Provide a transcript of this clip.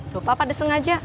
lupa pada sengaja